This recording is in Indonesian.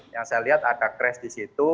yang saya lihat ada crash disitu